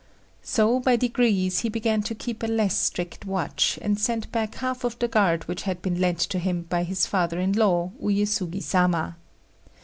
So by degrees he began to keep a less strict watch, and sent back half of the guard which had been lent to him by his father in law, Uyésugi Sama.